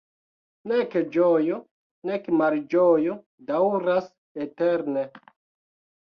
Nek ĝojo, nek malĝojo daŭras eterne.